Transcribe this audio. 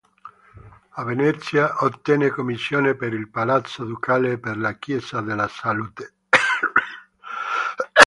A Venezia ottenne commissioni per il palazzo Ducale e per la chiesa della Salute.